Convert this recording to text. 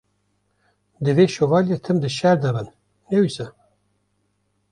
Divê Şovalye tim di şer de bin, ne wisa?